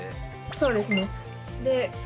そうですね。